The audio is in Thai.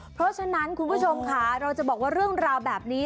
เพราะฉะนั้นคุณผู้ชมค่ะเราจะบอกว่าเรื่องราวแบบนี้